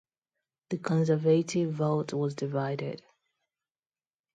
The conservative vote was divided.